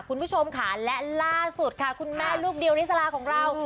คุณผู้ชมค่ะและล่าสุดค่ะคุณแม่ลูกเดียวนิสลาของเรา